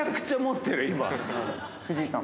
藤井さん。